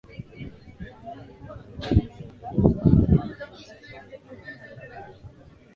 Miundombinu imeendelezwa hapa na hata wasafiri wengi wanataka kuja hapa